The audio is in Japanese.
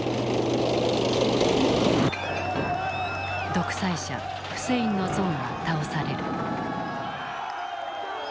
独裁者フセインの像が倒される。